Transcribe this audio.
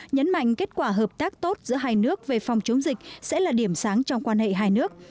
nhấn mạnh kết quả hợp tác tốt giữa hai nước về phòng chống dịch sẽ là điểm sáng trong quan hệ hai nước